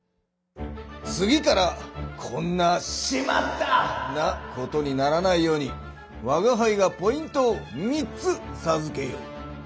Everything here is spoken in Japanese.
次からこんな「しまった！」なことにならないようにわがはいがポイントを３つさずけよう。